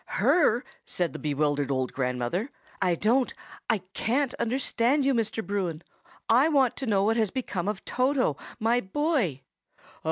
"Her!" said the bewildered old grandmother. "I don't—I can't understand you, Mr. Bruin. I want to know what has become of Toto, my boy."